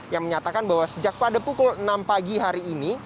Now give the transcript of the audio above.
yang menyatakan bahwa sejak pada pukul enam pagi hari ini